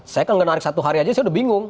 saya kan gak narik satu hari aja sudah bingung